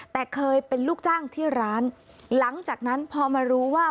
แต่เคยเป็นลูกจ้างที่ร้านหลังจากนั้นพอมารู้ว่า